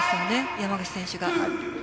山口選手が。